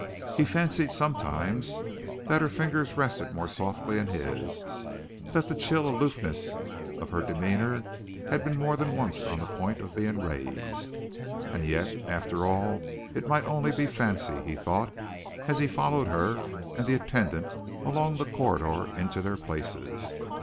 He fancied sometimes that her fingers rested more softly in his, that the chill aloofness of her demeanor had been more than once on the point of being raised. And yet, after all, it might only be fancy, he thought, as he followed her and the attendant along the corridor into their places.